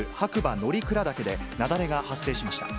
乗鞍岳で雪崩が発生しました。